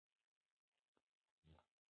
ایوب خان په هوښیارۍ نه پوهېدل.